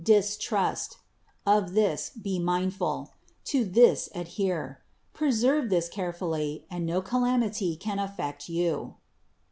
Distrust. Of this be mindful : to this adhere : preserve this carefully, and no calamity can affect you."